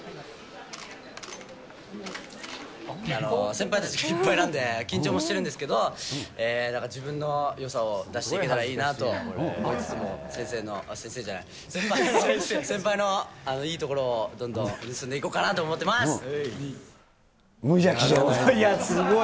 先輩たちがいっぱいなんで、緊張もしてるんですけど、自分のよさを出していけたらいいなと思いつつも、先生の、先生じゃない、先輩のいいところを、どんどん盗んでいこうかなと無邪気じゃない。